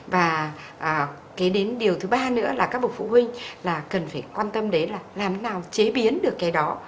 và cái đến điều thứ ba nữa là các bậc phụ huynh là cần phải quan tâm đến là làm thế nào chế biến được cái đó